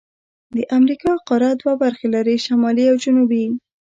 د امریکا قاره دوه برخې لري: شمالي او جنوبي.